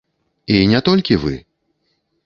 І не толькі вы.